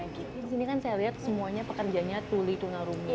di sini kan saya lihat semuanya pekerjanya tuli tunarungu